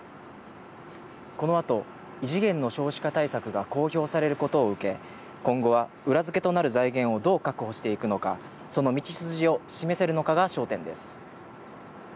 この後、異次元の少子化対策が公表されることを受け、今後は裏付けとなる財源をどう確保していくのか、その道筋を示せるのかが焦点です。